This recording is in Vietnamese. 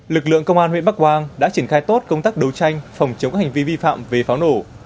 lực lượng công an huyện bắc quang đã triển khai tốt công tác đấu tranh phòng chống các hành vi vi phạm về pháo nổ